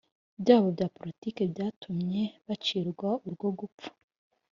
byabo bya politiki byatumye bacirwa urwo gupfa!